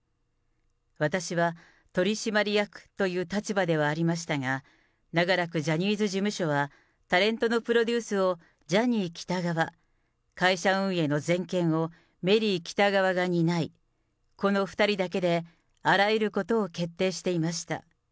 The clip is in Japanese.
私は取締役という立場ではありましたが、長らくジャニーズ事務所はタレントのプロデュースをジャニー喜多川、会社運営の全権をメリー喜多川が担い、この２人だけであらゆることを決定していました。